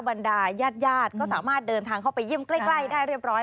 บรรดายาดก็สามารถเดินทางเข้าไปเยี่ยมใกล้ได้เรียบร้อย